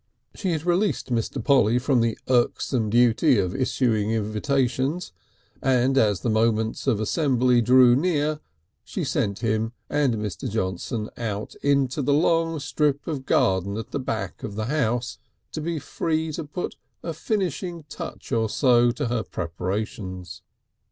She had released Mr. Polly from the irksome duty of issuing invitations, and as the moments of assembly drew near she sent him and Mr. Johnson out into the narrow long strip of garden at the back of the house, to be free to put a finishing touch or so to her preparations.